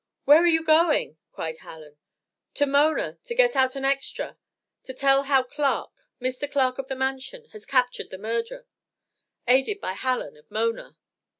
"Where are you going?" cried Hallen. "To Mona to get out an extra to tell how Clark, Mr. Clark of the Mansion, has captured the murderer, aided by Hallen of Mona."